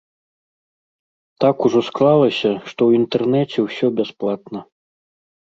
Так ужо склалася, што ў інтэрнэце ўсё бясплатна.